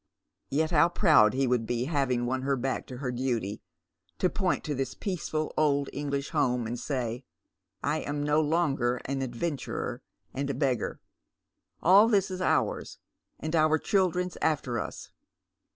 Yet how proud he would be, ha\dng won her back to her duty, to point to this peaceful old English home, and say, " I am no longer an adventurer and a beggar. All this is ours, and our children's after us!"